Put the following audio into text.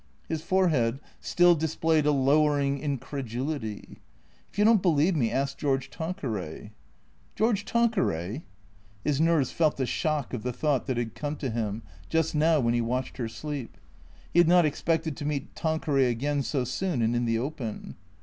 His forehead still displayed a lowering incredulity. " If you don't believe me, ask George Tanqueray." " George Tanqueray ?" His nerves felt the shock of the thought that had come to him, just now when he watched her sleep. He had not expected to meet Tanqueray again so soon and in the open.